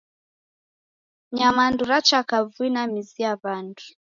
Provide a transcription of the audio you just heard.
Nyamandu racha kavui na mizi ya w'andu.